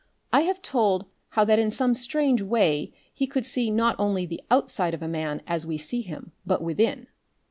I have told how that in some strange way he could see not only the outside of a man as we see him, but within.